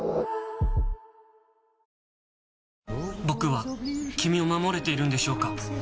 僕は君を守れているんでしょうか？